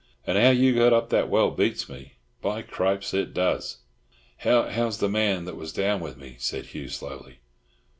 And how you got up that well beats me. By Cripes, it does." "How's the—man that—was down with me?" said Hugh slowly.